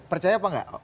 percaya apa enggak